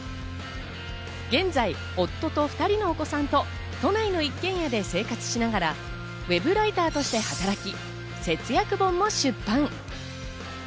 現在、夫と２人のお子さんと都内の一軒家で生活しながらウェブライターとして働き節約本も出版。